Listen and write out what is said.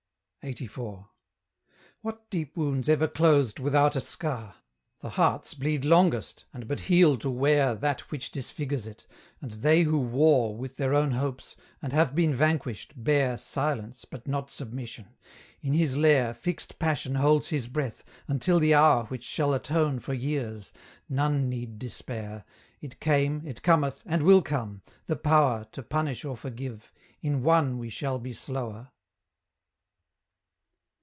LXXXIV. What deep wounds ever closed without a scar? The heart's bleed longest, and but heal to wear That which disfigures it; and they who war With their own hopes, and have been vanquished, bear Silence, but not submission: in his lair Fixed Passion holds his breath, until the hour Which shall atone for years; none need despair: It came, it cometh, and will come, the power To punish or forgive in ONE we shall be slower.